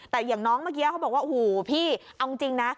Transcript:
แต่อย่างน้องเมื่อกี้เขาบอกว่าโอ้โหพี่เอาจริงนะ